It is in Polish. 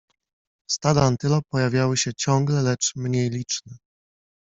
Stada antylop pojawiały się ciągle, lecz mniej liczne.